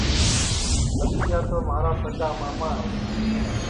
نتھیا تو مھارا سگا ماما ہے